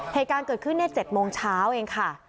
เหตุการณ์เกิดขึ้น๗โมงเช้าเองค่ะ